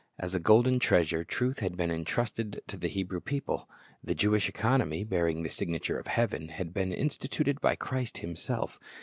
As a golden treasure, truth had been intrusted to the Hebrew people. The Jewish economy, bearing the signature of heaven, had been instituted by Christ Himself.